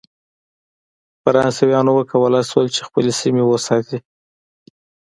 فرانسویانو وکولای شول چې خپلې سیمې وساتي.